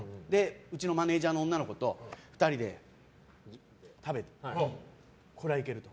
うちのマネジャーの女の子と２人で食べてこれはいけると。